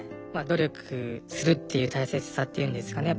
努力するっていう大切さっていうんですかね